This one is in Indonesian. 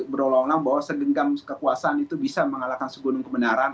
berulang ulang bahwa sedenggam kekuasaan itu bisa mengalahkan segunung kebenaran